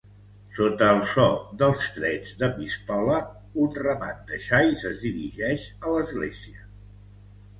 Sota el so dels trets de pistola, un ramat de xais es dirigeix a l'església.